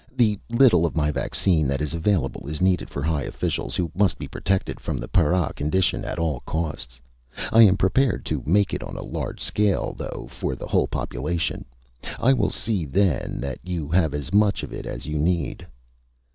The little of my vaccine that is available is needed for high officials, who must be protected from the para condition at all costs. I am prepared to make it on a large scale, though, for the whole population. I will see, then, that you have as much of it as you need."